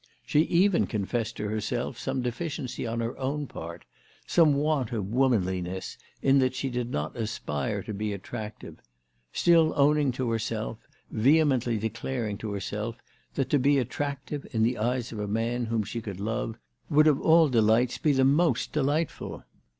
She even confessed to herself some deficiency on her own part, some want of womanliness in that she did not aspire to be attractive, still owning to herself, vehemently declaring to herself, that to be attractive in the eyes of a man whom she could love would of all'delights be the most delightful.